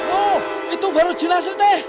oh itu baru jen asli teh